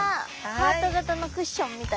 ハート形のクッションみたいな。